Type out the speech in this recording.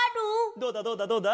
どうだどうだどうだ？